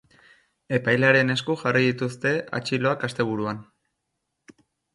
Epailearen esku jarri dituzte atxiloak asteburuan.